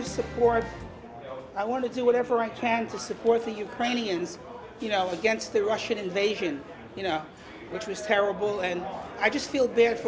saya ingin mendukung saya ingin melakukan apa saja yang bisa untuk mendukung mereka